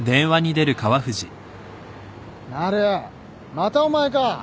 またお前か。